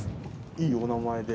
いいお名前で。